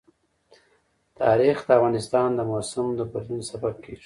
تاریخ د افغانستان د موسم د بدلون سبب کېږي.